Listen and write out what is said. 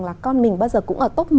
là con mình bây giờ cũng ở top một